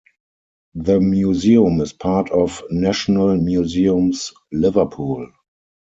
The museum is part of National Museums Liverpool.